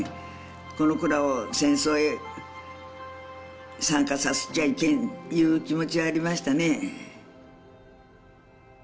この子らを戦争へ参加させちゃいけんいう気持ちはありましたね